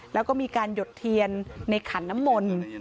แล้วก็มีการหยดเทียนในขันน้ำมนต์